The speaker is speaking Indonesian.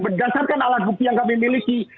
berdasarkan alat bukti yang kami miliki